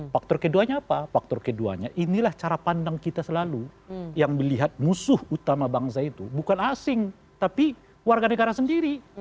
faktor keduanya apa faktor keduanya inilah cara pandang kita selalu yang melihat musuh utama bangsa itu bukan asing tapi warga negara sendiri